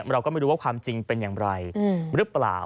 เราก็ไม่รู้ว่าความจริงเป็นอย่างไรหรือเปล่า